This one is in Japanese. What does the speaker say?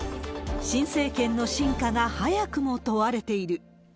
新政権の真価が早くも問われている。